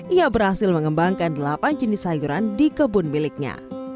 ia berhasil mengembangkan delapan jenis sayuran di kebun miliknya